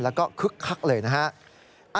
แล้วก็คึกคักเลยนะฮะ